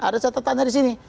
ada catatannya disini